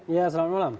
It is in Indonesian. iya selamat malam